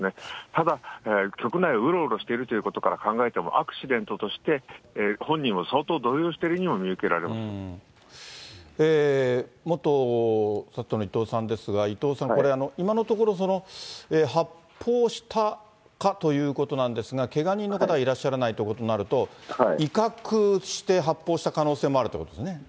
ただ、局内をうろうろしているということから考えても、アクシデントとして本人も相当動揺しているようにも見受けられま元ＳＡＴの伊藤さんですが、伊藤さん、これ、今のところ、発砲したかということなんですが、けが人の方はいらっしゃらないということになると、威嚇して発砲した可能性もあるということですね。